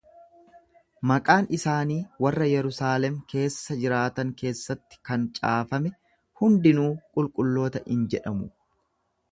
Maqaan isaanii warra Yerusaalem keessa jiraatan keessatti kan caafame hundinuu qulqulloota in jedhamu.